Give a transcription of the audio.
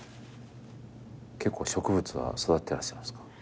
結構植物は育ててらっしゃるんすか？